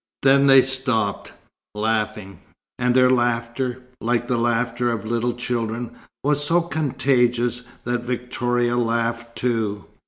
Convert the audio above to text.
Then they stopped, laughing; and their laughter, like the laughter of little children, was so contagious that Victoria laughed too.